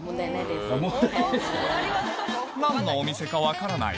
何のお店か分からない